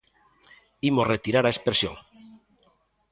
Imos retirar a expresión.